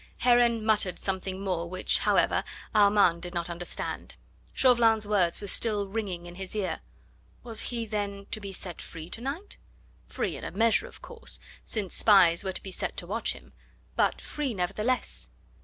Heron muttered something more, which, however, Armand did not understand. Chauvelin's words were still ringing in his ear. Was he, then, to be set free to night? Free in a measure, of course, since spies were to be set to watch him but free, nevertheless?